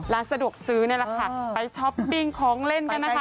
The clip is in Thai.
ร้านสะดวกซื้อนี่แหละค่ะไปช้อปปิ้งของเล่นกันนะคะ